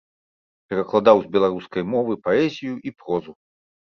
Перакладаў з беларускай мовы паэзію і прозу.